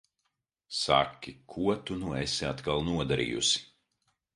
Saki, ko tu nu esi atkal nodarījusi?